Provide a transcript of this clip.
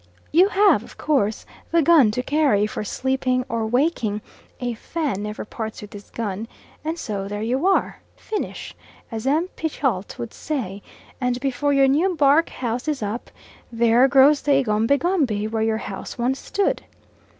You have, of course, the gun to carry, for sleeping or waking a Fan never parts with his gun, and so there you are "finish," as M. Pichault would say, and before your new bark house is up, there grows the egombie gombie, where your house once stood.